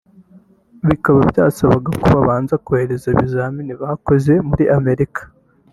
bikaba byasabaga ko babanza kohereza ibizamini bakoze muri Amerika